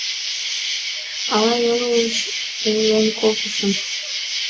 — Ала йоҥылыш ойлен колтышым?